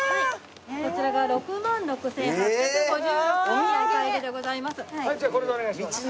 こちらが６万６８５６円のお買い上げでございます。